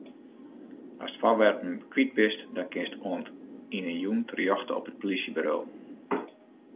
Ast foarwerpen kwyt bist, dan kinst oant yn 'e jûn terjochte op it plysjeburo.